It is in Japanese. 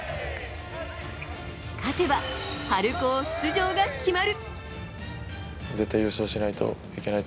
勝てば春高出場が決まる。